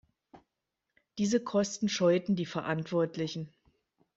Diese Kosten scheuten die Verantwortlichen.